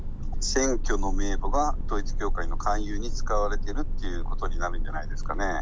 選挙の名簿が統一教会の勧誘に使われてるっていうことになるんじゃないですかね。